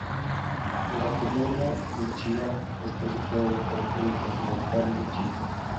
La comuna de Chillán está situada en el territorio continental de Chile.